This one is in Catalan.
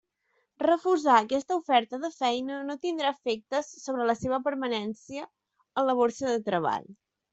Refusar aquesta oferta de feina no tindrà efectes sobre la seva permanència en la borsa de treball.